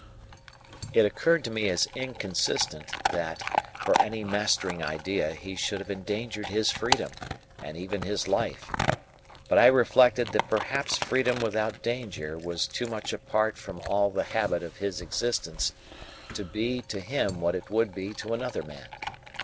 It occurred to me as inconsistent, that, for any mastering idea, he should have endangered his freedom, and even his life. But I reflected that perhaps freedom without danger was too much apart from all the habit of his existence to be to him what it would be to another man.